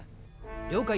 了解！